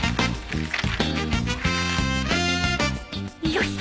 よし！